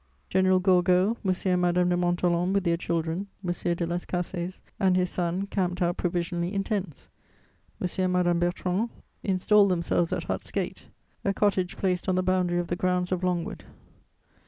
General Gourgaud, M. and Madame de Montholon with their children, M. de Las Cases and his son camped out provisionally in tents; M. and Madame Bertrand installed themselves at Hut's Gate, a cottage placed on the boundary of the grounds of Longwood.